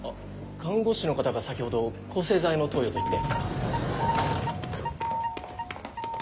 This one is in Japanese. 看護師の方が先ほど抗生剤の投与と言って。